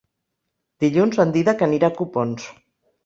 Dilluns en Dídac anirà a Copons.